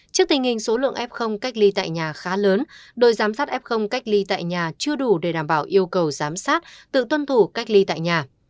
trước tình hình số lượng f cách ly tại nhà khá lớn đội giám sát f cách ly tại nhà chưa đủ để đảm bảo yêu cầu giám sát tự tuân thủ cách ly tại nhà